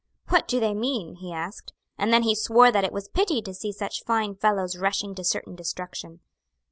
"What do they mean?" he asked; and then he swore that it was pity to see such fine fellows rushing to certain destruction.